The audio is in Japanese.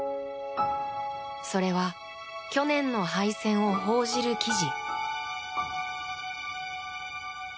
それは去年の敗戦を報じる記事。